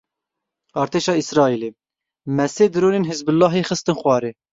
Artêşa Îsraîlê, me sê dronên Hizbulahê xistin xwarê.